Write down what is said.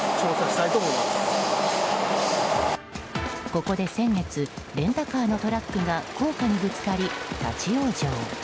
ここで先月レンタカーのトラックが高架にぶつかり、立ち往生。